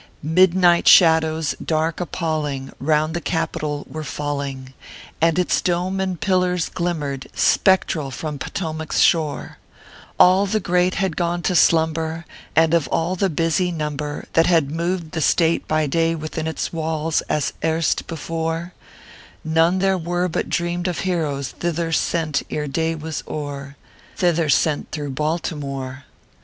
Midnight shadows, dark, appalling, round the Capitol were falling, And its dome and pillars glimmered spectral from Potomac s shore ; All the great had gone to slumber, and of all the busy number That had moved the State by day within its walls, as erst before, None there were but dreamed of heroes thither sent ere day was o er: Thither sent through BALTIMORE.